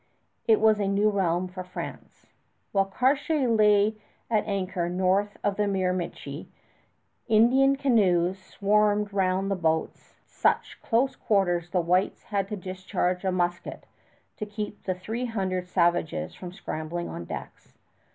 It was a new realm for France. While Cartier lay at anchor north of the Miramichi, Indian canoes swarmed round the boats at such close quarters the whites had to discharge a musket to keep the three hundred savages from scrambling on decks.